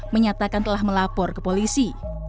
menyatakan telah melapor ke polisi